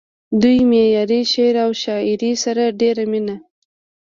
دوي معياري شعر و شاعرۍ سره ډېره مينه